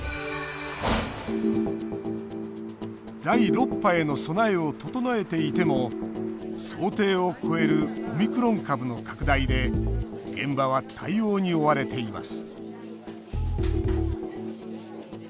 第６波への備えを整えていても想定を超えるオミクロン株の拡大で現場は対応に追われています。